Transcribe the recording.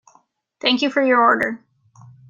Thank you for your order!.